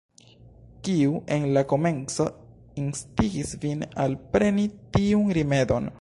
Kiu, en la komenco, instigis vin alpreni tiun rimedon?